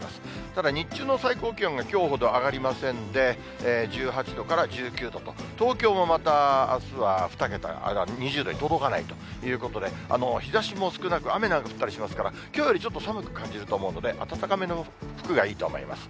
ただ日中の最高気温がきょうほど上がりませんで、１８度から１９度と、東京もまたあすは２０度に届かないということで、日ざしも少なく、雨なんか降ったりしますから、きょうよりちょっと寒く感じると思うので、暖かめの服がいいと思います。